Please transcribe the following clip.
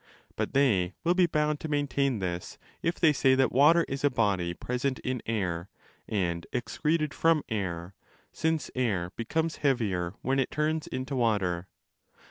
But they will be bound to maintain this, if they say that water is a body present in air and excreted from air, since air becomes 10 heavier when it turns into water...